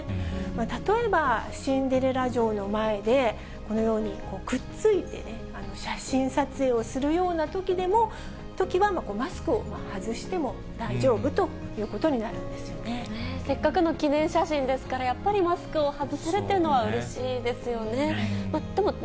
例えば、シンデレラ城の前で、このようにくっついてね、写真撮影をするようなときは、マスクを外しても大丈夫というこせっかくの記念写真ですから、やっぱりマスクを外せるっていうのはうれしいですよね。